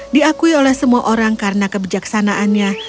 diakui oleh semua orang karena kebijaksanaannya